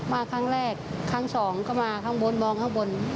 มาครั้งแรกครั้งสองก็มาข้างบนมองข้างบน